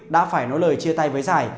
đã phải nói lời chia tay với giải